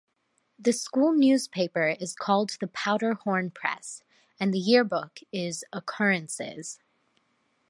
The school newspaper is called the "Powder Horn Press" and the yearbook is "Occurrences".